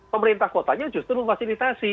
pemerintah kotanya justru memfasilitasi